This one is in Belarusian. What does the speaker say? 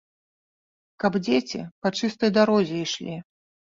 Каб дзеці па чыстай дарозе ішлі!